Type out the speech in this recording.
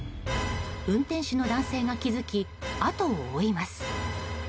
運転手の男性が気づき後を追います。